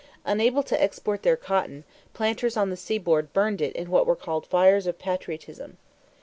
Unable to export their cotton, planters on the seaboard burned it in what were called "fires of patriotism."